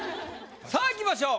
さあいきましょう。